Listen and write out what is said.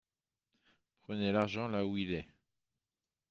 Prenez l’argent là où il est